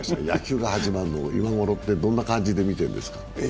野球が始まるのを今ごろってどういう感じで見てるんですか？